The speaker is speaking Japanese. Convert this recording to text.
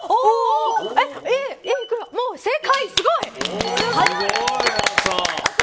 正解、すごい。